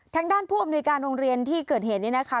ทางด้านผู้อำนวยการโรงเรียนที่เกิดเหตุนี้นะคะ